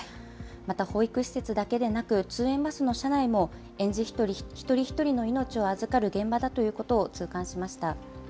また保育施設だけでなく、通園バスの車内も、園児一人一人の命を預かる現場だということを痛感しました。